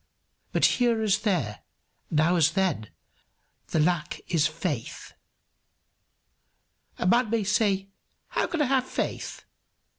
But here as there, now as then, the lack is faith. A man may say, "How can I have faith?"